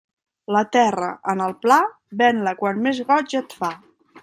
La terra, en el pla, ven-la quan més goig et fa.